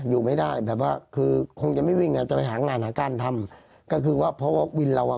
อยู่ไม่ได้แบบว่าคือคงจะไม่วิ่งอ่ะจะไปหางานหาการทำก็คือว่าเพราะว่าวินเราอ่ะ